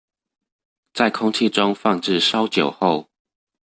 在空氣中放置稍久後